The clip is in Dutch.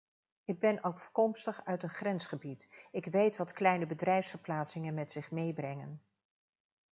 Ik ben afkomstig uit een grensgebied, ik weet wat kleine bedrijfsverplaatsingen met zich meebrengen.